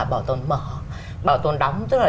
bảo tồn mở bảo tồn đóng tức là